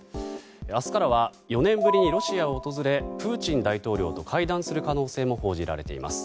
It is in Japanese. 明日からは４年ぶりにロシアを訪れプーチン大統領と会談する可能性も報じられています。